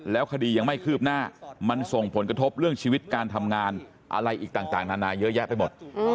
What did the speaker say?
แล้วคดียังไม่คืบหน้ามันส่งผลกระทบเรื่องชีวิตการทำงานอะไรอีกต่างนานาเยอะแยะไปหมด